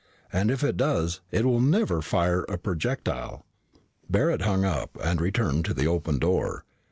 And if it does, it will never fire a projectile." Barret hung up and returned to the open door.